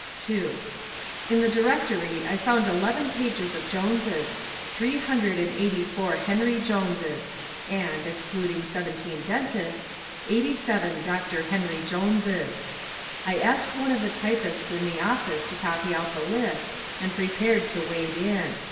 II In the directory I found eleven pages of Joneses; three hundred and eighty four Henry Joneses; and (excluding seventeen dentists) eighty seven Doctor Henry Joneses. I asked one of the typists in the office to copy out the list, and prepared to wade in.